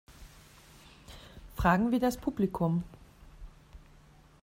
Fragen wir das Publikum!